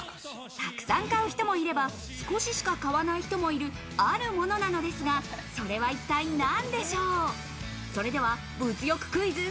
たくさん買う人もいれば、少ししか買わない人もいる、あるものなのですが、それは一体なんでしょう。